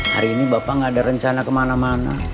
hari ini bapak nggak ada rencana kemana mana